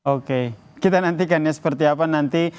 oke kita nantikan ya seperti apa nanti